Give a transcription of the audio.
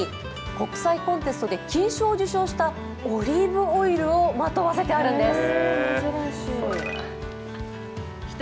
国際コンテストで金賞を受賞したオリーブオイルをまとわせてあるんです。